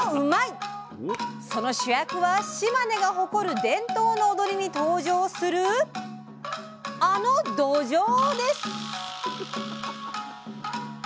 その主役は島根が誇る伝統の踊りに登場するあの「どじょう」です！